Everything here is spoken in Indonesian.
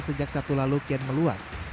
sejak sabtu lalu kian meluas